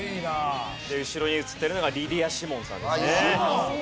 後ろに映っているのがリディア・シモンさんですね。